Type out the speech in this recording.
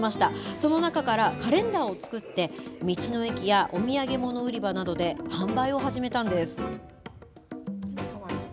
その中からカレンダーを作って、道の駅やお土産物売り場などで販売を始めたんです。